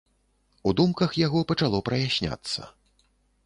У думках яго пачало праясняцца.